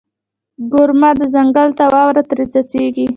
ګورمه ځنګله ته، واوره ترې څڅیږي